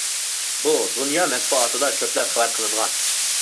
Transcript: بۇ دۇنيا مەتبۇئاتىدا كۆپلەپ خەۋەر قىلىنغان .